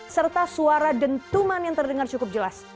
serta suara dentuman yang terdengar cukup jelas